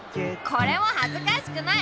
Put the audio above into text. これもはずかしくない！